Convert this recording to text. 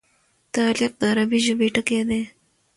تعلیق د عربي ژبي ټکی دﺉ.